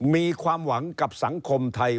มีความหวังกับสังคมไทย